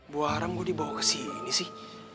buah haram gua dibawa kesini sih